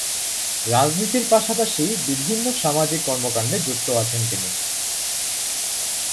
রাজনীতির পাশাপাশি বিভিন্ন সামাজিক কর্মকাণ্ডে যুক্ত আছেন তিনি।